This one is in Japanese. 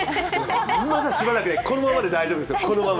まだしばらくこのままで大丈夫ですよ。